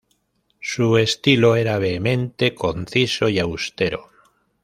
Su estilo era vehemente, conciso y austero.